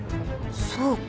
そうか。